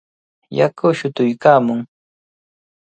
Yaku shutuykaamun.